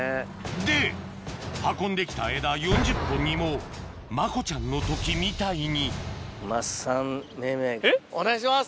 で運んで来た枝４０本にもマコちゃんの時みたいにお願いします。